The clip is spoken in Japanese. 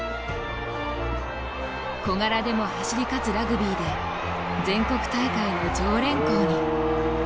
小柄でも走り勝つラグビーで全国大会の常連校に。